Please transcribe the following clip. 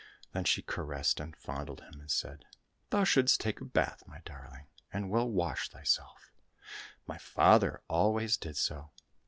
Then she caressed and fondled him, and said, " Thou shouldst take a bath, my darling, and well wash thyself. My father always did so."